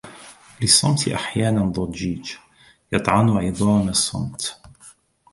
للصمت أحيانا ضجيج.. يطحن عظام الصمت.